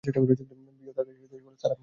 P A তাঁর কাছে এসে বলল, স্যার, আপনি বসুন।